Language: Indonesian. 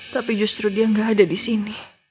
baik kita akan berjalan